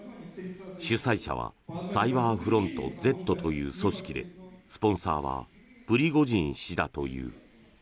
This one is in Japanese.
主催者はサイバーフロントＺという組織でスポンサーはプリゴジン氏だという。